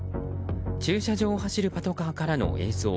駐車場を走るパトカーからの映像。